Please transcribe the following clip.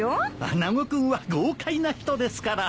穴子君は豪快な人ですから。